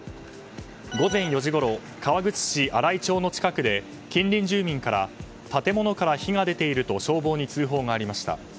午前４時ごろ川口市新井町の近くで近隣住民から建物から火が出ていると消防に通報がありました。